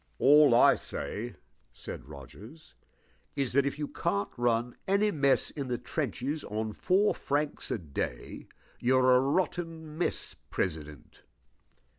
"All I say," said Rogers, "is that, if you can't run any mess in the trenches on four francs a day, you're a rotten mess president."